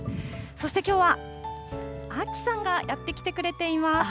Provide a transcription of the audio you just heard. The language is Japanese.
そしてきょうは、秋さんがやって来てくれています。